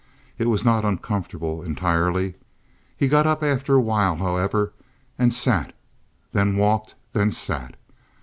It was not uncomfortable entirely. He got up after a while, however, and sat, then walked, then sat.